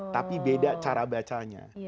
tapi beda cara bacanya